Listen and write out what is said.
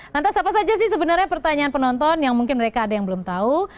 lantas apa saja sih sebenarnya pertanyaan penonton yang mungkin mereka ada yang belum tahu